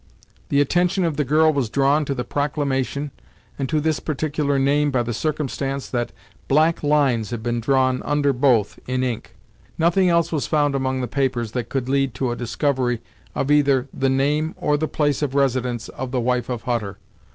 The attention of the girl was drawn to the proclamation and to this particular name by the circumstance that black lines had been drawn under both, in ink. Nothing else was found among the papers that could lead to a discovery of either the name or the place of residence of the wife of Hutter.